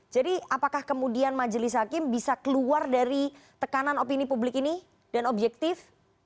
jadi apakah kemudian majelis hakim bisa keluar dari tekanan opini publik ini dan objektif